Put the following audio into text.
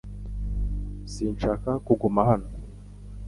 Sinshaka kuguma hano .